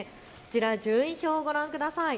順位表をご覧ください。